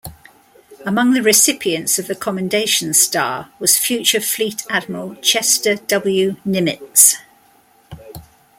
Among the recipients of the Commendation Star was future Fleet Admiral Chester W. Nimitz.